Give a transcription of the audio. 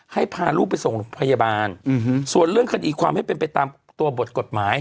ให้พาลูกไปส่งโรงพยาบาลส่วนเรื่องคดีความให้เป็นไปตามตัวบทกฎหมาย